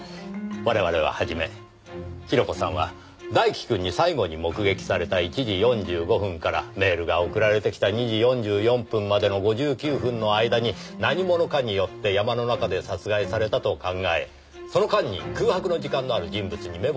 我々ははじめ広子さんは大輝くんに最後に目撃された１時４５分からメールが送られてきた２時４４分までの５９分の間に何者かによって山の中で殺害されたと考えその間に空白の時間のある人物に目星をつけていました。